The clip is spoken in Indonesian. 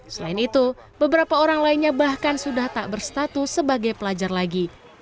selain itu beberapa orang lainnya bahkan sudah tak berstatus sebagai pelajar lagi